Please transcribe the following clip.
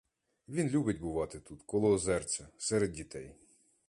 Він любить бувати тут, коло озерця, серед дітей.